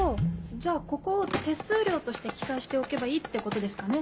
じゃあここを手数料として記載しておけばいいってことですかね？